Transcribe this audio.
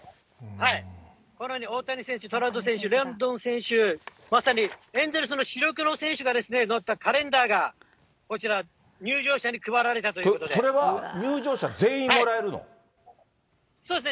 このように大谷選手、トラウト選手、レンフロー選手、まさにエンゼルスの主力の選手が載ったカレンダーがこちら、それは入場者全員もらえるのそうですね。